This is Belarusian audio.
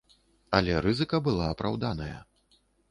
Але рызыка была апраўданая.